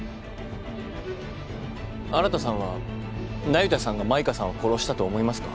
新さんは那由他さんが舞歌さんを殺したと思いますか？